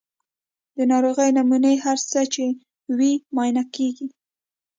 د ناروغۍ نمونې هر څه چې وي معاینه کیږي.